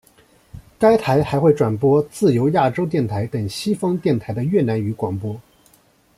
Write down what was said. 该台还会转播自由亚洲电台等西方电台的越南语广播。